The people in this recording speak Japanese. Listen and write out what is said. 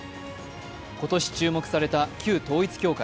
今年注目された旧統一教会。